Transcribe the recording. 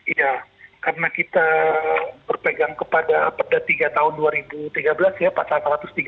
iya karena kita berpegang kepada perda tiga tahun dua ribu tiga belas ya pasal satu ratus tiga puluh